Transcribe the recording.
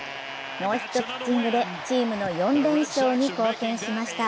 ノーヒットピッチングでチームの４連勝に貢献しました。